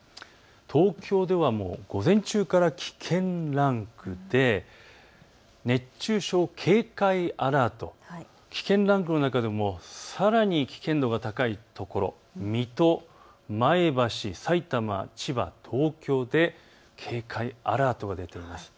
東京では午前中から危険ランクで、熱中症警戒アラート、危険ランクの中でもさらに危険度が高い所、水戸、前橋、さいたま、千葉、東京で警戒アラートが出ています。